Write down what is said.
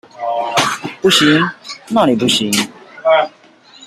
不行，那裡不行